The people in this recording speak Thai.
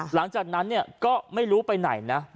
หลังจากนั้นก็ไม่รู้ไปไหนนะ